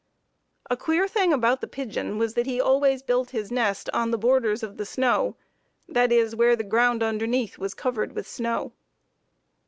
A queer thing about the pigeon was that he always built his nest on the borders of the snow, that is, where the ground underneath was covered with snow.